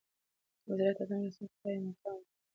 دحضرت ادم عليه السلام قايم مقام وي .